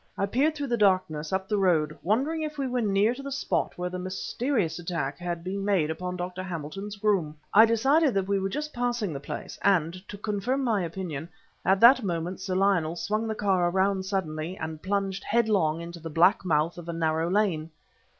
I peered through the darkness, up the road, wondering if we were near to the spot where the mysterious attack had been made upon Dr. Hamilton's groom. I decided that we were just passing the place, and to confirm my opinion, at that moment Sir Lionel swung the car around suddenly, and plunged headlong into the black mouth of a narrow lane.